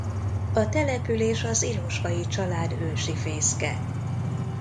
A település az Ilosvay család ősi fészke.